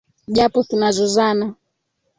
japo tunazozana